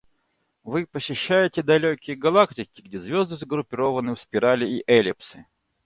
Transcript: Вы посещаете далекие галактики, где звезды сгруппированы в спирали и эллипсы.